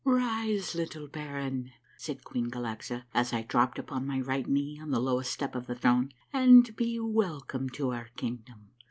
" Rise, little baron," said Queen Galaxa, as I dropped upon my right knee on the lowest step of the throne, " and be welcome to our kingdom.